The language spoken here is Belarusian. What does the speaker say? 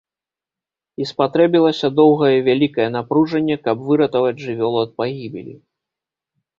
І спатрэбілася доўгае і вялікае напружанне, каб выратаваць жывёлу ад пагібелі.